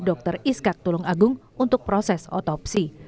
dokter iskat tulung agung untuk proses otopsi